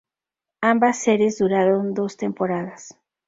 Ambas series duraron dos temporadas.